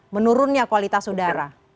menurunnya kualitas udara